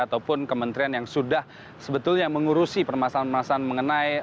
ataupun kementerian yang sudah sebetulnya mengurusi permasalahan permasalahan mengenai